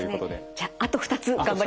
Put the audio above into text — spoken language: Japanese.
じゃああと２つ頑張りましょう。